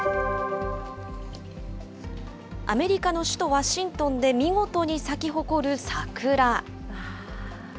アメリカの首都ワシントンで、見事に咲き誇る桜。